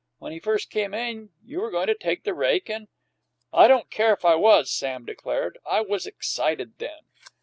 "When he first came in, you were goin' to take the rake and " "I don't care if I was," Sam declared. "I was excited then."